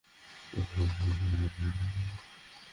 তিনি নীলুর কপালে হাত দিলেন।